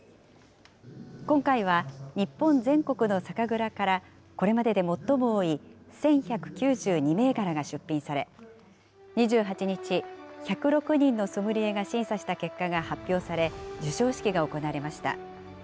今回は、日本全国の酒蔵からこれまでで最も多い、１１９２銘柄が出品され、２８日、１０６人のソムリエが審査した結果が発表され、授賞式が行われました。